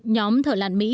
nhóm thợ lạn mỹ